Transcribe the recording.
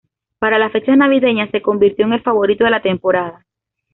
Para las fechas navideñas, se convirtió en el favorito de la temporada.